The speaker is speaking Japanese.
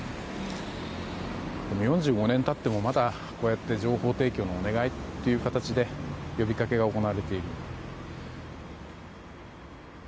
でも４５年経ってもまだ情報提供のお願いという形で呼びかけが行われている。